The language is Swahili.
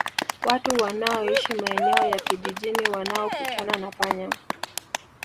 Watu wanaoishi maeneo ya kijijini wanaokutana na panya